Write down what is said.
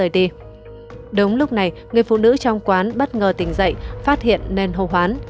đúng lúc này người phụ nữ trong quán bất ngờ tỉnh dậy phát hiện nên hô hoán